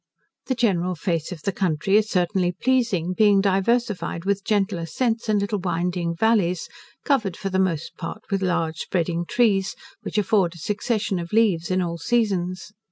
The general face of the country is certainly pleasing, being diversified with gentle ascents, and little winding vallies, covered for the most part with large spreading trees, which afford a succession of leaves in all seasons.